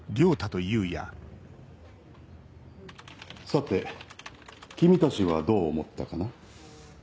さて君たちはどう思ったかな？